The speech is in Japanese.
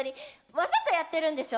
わざとやってるんでしょ？